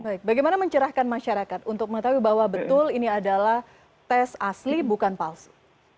baik bagaimana mencerahkan masyarakat untuk mengetahui bahwa betul ini adalah tes asli bukan palsu